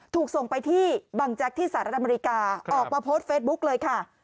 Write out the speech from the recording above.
ถูกส่งไปที่บังแจ็คที่สหรัฐอเมริกาออกมาโพสต์เฟซบุ๊กเลยค่ะ